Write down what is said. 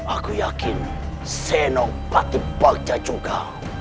aku yakin senok batibagja juga